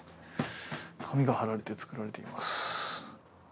紙がはられて作られています